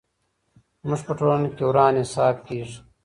زموږ په ټولنه کي وران حساب کېږي.